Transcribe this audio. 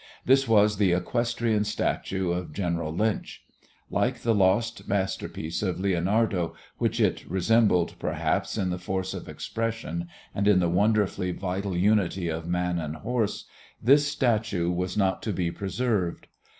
This was the equestrian statue of General Lynch. Like the lost masterpiece of Leonardo, which it resembled perhaps in the force of expression and in the wonderfully vital unity of man and horse, this statue was not to be preserved.